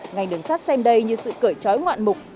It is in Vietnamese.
ngành đường sắt xem đây như sự cởi trói ngoạn mục